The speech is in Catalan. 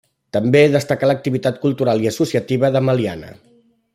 També destacar l'activitat cultural i associativa de Meliana.